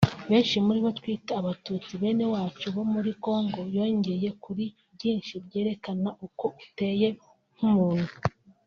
benshi muribo twita “Abatutsi bene awacu bo muri Kongo” yongeye kuri byinshi byerekana uko uteye nkumuntu